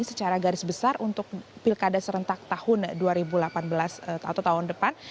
secara garis besar untuk pilkada serentak tahun dua ribu delapan belas atau tahun depan